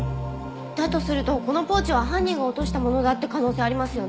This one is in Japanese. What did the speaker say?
だとするとこのポーチは犯人が落としたものだって可能性ありますよね？